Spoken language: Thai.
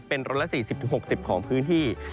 เป็นร้อยละ๔๐๖๐ของพื้นที่